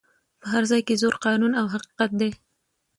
په هر ځای کي زور قانون او حقیقت دی